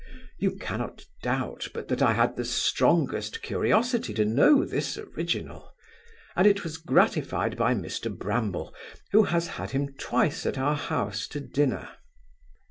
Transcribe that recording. You cannot doubt, but that I had the strongest curiosity to know this original; and it was gratified by Mr Bramble, who has had him twice at our house to dinner.